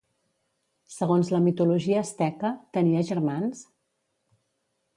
Segons la mitologia asteca, tenia germans?